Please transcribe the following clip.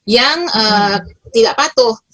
yang tidak patuh